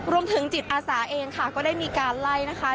รวมถึงจิตอาสาเองค่ะก็ได้มีการไล่นะคะ